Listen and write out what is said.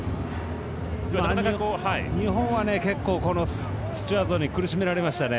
日本は結構スチュワードに苦しめられましたね。